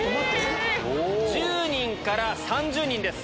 １０人から３０人です。